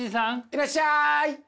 いらっしゃい！